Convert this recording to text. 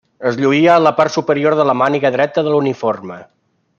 Es lluïa a la part superior de la màniga dreta de l'uniforme.